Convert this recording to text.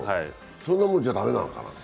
そんなもんじゃ駄目なのかな。